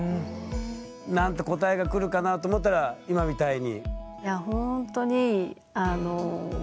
何て答えがくるかなと思ったら今みたいに？